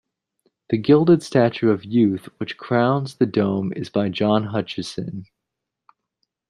The gilded statue of Youth which crowns the dome is by John Hutchison.